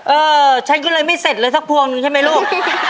เออฉันก็เลยไม่เสร็จเลยสักพวงหนึ่งใช่ไหมลูก